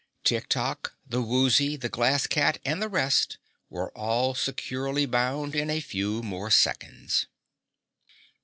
Tik Tok, the Woozy, the Glass Cat and the rest were all securely bound in a few more seconds.